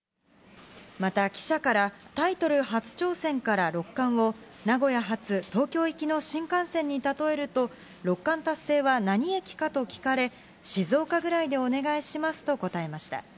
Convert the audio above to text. また記者から、タイトル初挑戦から六冠を、名古屋発東京行きの新幹線に例えると、六冠達成は何駅かと聞かれ、静岡ぐらいでお願いしますと答えました。